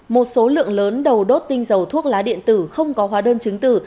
một số lượng lớn đầu đốt tinh dầu thuốc lá điện tử không có hóa đơn chứng tử